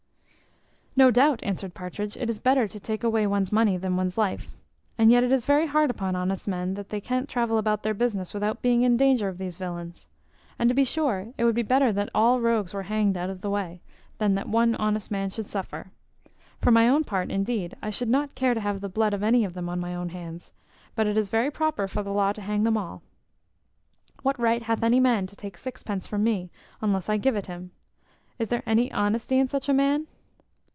"No doubt," answered Partridge, "it is better to take away one's money than one's life; and yet it is very hard upon honest men, that they can't travel about their business without being in danger of these villains. And to be sure it would be better that all rogues were hanged out of the way, than that one honest man should suffer. For my own part, indeed, I should not care to have the blood of any of them on my own hands; but it is very proper for the law to hang them all. What right hath any man to take sixpence from me, unless I give it him? Is there any honesty in such a man?"